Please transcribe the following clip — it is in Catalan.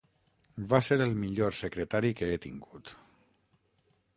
Va ser el millor secretari que he tingut.